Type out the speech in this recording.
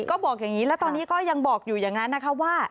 ก็บอกอย่างนี้แล้วตอนนี้ก็ยังบอกอยู่อย่างนั้นนะคะว่า